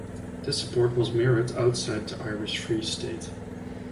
This support was mirrored outside the Irish Free State.